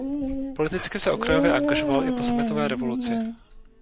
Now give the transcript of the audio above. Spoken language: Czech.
Politicky se okrajově angažoval i po sametové revoluci.